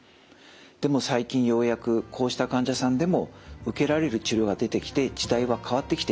でも最近ようやくこうした患者さんでも受けられる治療が出てきて時代は変わってきています。